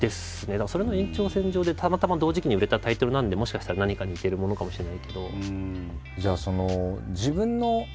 だからそれの延長線上でたまたま同時期に売れたタイトルなのでもしかしたら何か似てるものかもしれないけど。